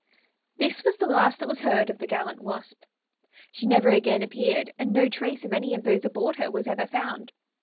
This was the last that was ever heard of the gallant Wasp. She never again appeared, and no trace of any of those aboard her was ever found.